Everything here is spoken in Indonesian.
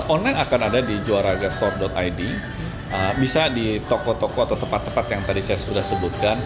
online akan ada di juaragastore id bisa di toko toko atau tempat tempat yang tadi saya sudah sebutkan